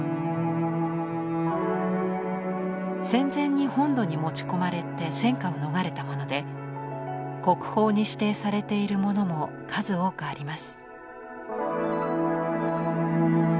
戦前に本土に持ち込まれて戦火を逃れたもので国宝に指定されているものも数多くあります。